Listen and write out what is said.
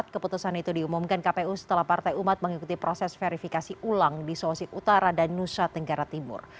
keputusan itu diumumkan kpu setelah partai umat mengikuti proses verifikasi ulang di sulawesi utara dan nusa tenggara timur